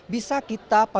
bisa kita padu padukan